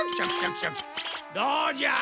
どうじゃ？